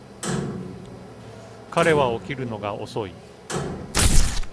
彼は起きるのが遅い